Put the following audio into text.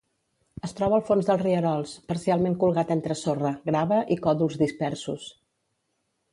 Es troba al fons dels rierols, parcialment colgat entre sorra, grava i còdols dispersos.